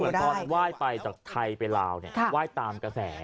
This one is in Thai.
คือเหมือนตอนว่ายไปจากไทยไปลาวเนี่ยว่ายตามกระแส